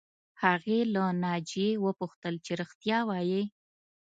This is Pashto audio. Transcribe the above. هغې له ناجیې وپوښتل چې رښتیا وایې